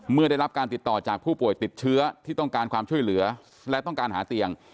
เมื่อได้รับการติดต่อจากผู้ป่วยติดเชื้อที่ต้องการความช่วยเหลือและต้องการหาเตียง